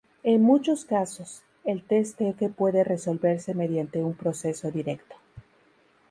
En muchos casos, el test F puede resolverse mediante un proceso directo.